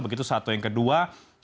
begitu satu yang kedua